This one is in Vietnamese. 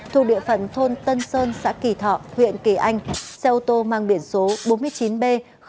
thuộc địa phận thôn tân sơn xã kỳ thọ huyện kỳ anh xe ô tô mang biển số bốn mươi chín b một nghìn bảy trăm hai mươi bảy